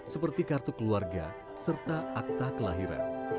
seperti kartu keluarga serta akta kelahiran